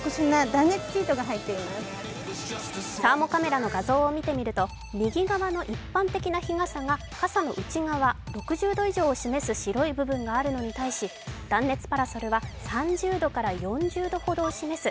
サーモカメラの画像を見てみると、右側の一般的日傘が傘の内側６０度以上を示す白い部分があるのに対し、断熱パラソルは３０度から４０度ほどを示す